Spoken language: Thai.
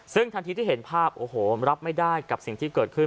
ซึ่งทันทีที่เห็นภาพโอ้โหรับไม่ได้กับสิ่งที่เกิดขึ้น